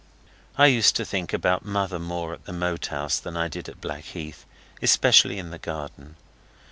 I used to think about Mother more at the Moat House than I did at Blackheath, especially in the garden.